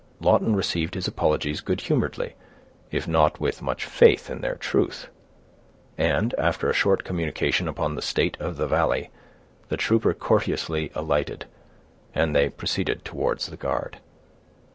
Lawton received his apologies good humoredly, if not with much faith in their truth; and, after a short communication upon the state of the valley, the trooper courteously alighted, and they proceeded towards the guard.